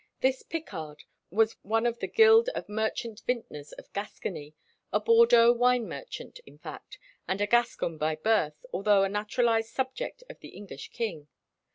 This Picard was one of the Guild of Merchant Vintners of Gascony, a Bordeaux wine merchant, in fact, and a Gascon by birth, although a naturalized subject of the English king.